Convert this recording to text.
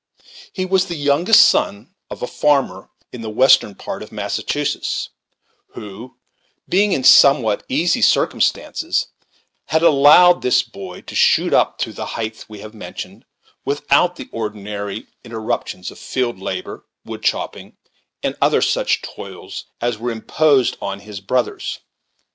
He was the youngest son of a farmer in the western part of Massachusetts, who, being in some what easy circumstances, had allowed this boy to shoot up to the height we have mentioned, without the ordinary interruptions of field labor, wood chopping, and such other toils as were imposed on his brothers.